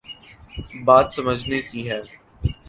بات سمجھنے کی ہے۔